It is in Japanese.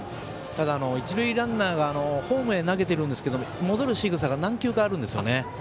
ただ、一塁ランナーがホームへ投げてるんですが戻る仕草が何球かあるんです。